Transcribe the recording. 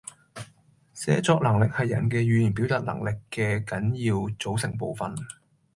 寫作能力係人嘅語言表達能力嘅緊要組成部分